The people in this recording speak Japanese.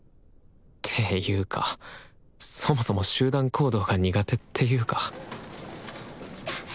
ていうかそもそも集団行動が苦手っていうか来た！